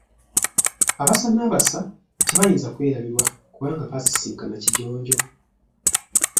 Abassa n’abassa tebayinza kwerabirwa kubanga baasisinkana Kijonjo.